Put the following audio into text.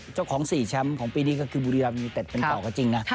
เจ้าของ๔แชมป์ของปีนี้ก็คือบุรีรัมยูนิเต็ดเป็นเก่าก็จริงนะ